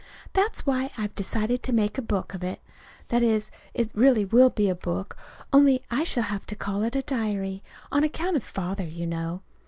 That's why I've decided to make a book of it that is, it really will be a book, only I shall have to call it a diary, on account of Father, you know.